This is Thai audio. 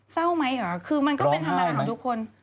เศร้าไหมเหรอคือมันก็เป็นธรรมดาของทุกคน